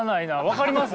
分かります？